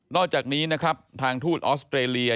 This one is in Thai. อกจากนี้นะครับทางทูตออสเตรเลีย